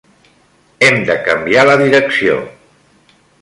Hem de canviar la direcció.